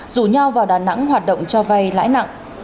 rủ nhau vào đà nẵng hoạt động cho vay lãi nặng